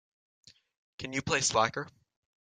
Can you play Slacker?